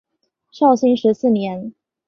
绍兴十四年。